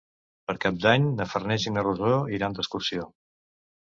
Per Cap d'Any na Farners i na Rosó iran d'excursió.